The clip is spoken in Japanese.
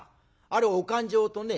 あれはお勘定とね